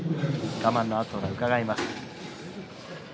我慢の跡がうかがえます。